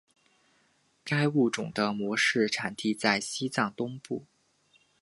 该物种的模式产地在西藏东部。